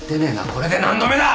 これで何度目だ！